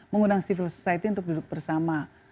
mengundang civil society untuk duduk bersama